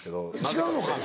違うのか。